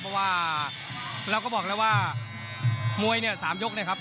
เพราะว่าเราก็บอกแล้วว่ามวยเนี่ย๓ยกนะครับ